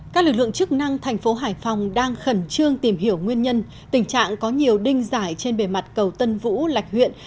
các lực lượng chức năng thành phố hải phòng đang khẩn trương tìm hiểu nguyên nhân tình trạng có nhiều đinh giải trên bề mặt cầu tân vũ lạch huyện